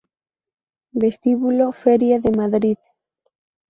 Vestíbulo Feria de Madrid